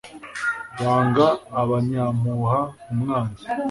wanga abanyampuha, umwanzi